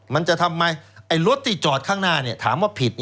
มันจะทำไมรถที่จอดข้างหน้าถามว่าผิด